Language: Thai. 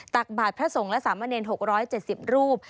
ตักบาทพระสงฆ์และสามเณร๖๗๐รูป